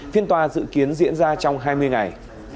phiên tòa dự kiến diễn ra trong hai mươi ngày